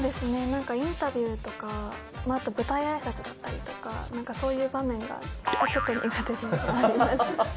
なんかインタビューとか、あと舞台あいさつだったりとか、なんかそういう場面がちょっと苦手ではあります。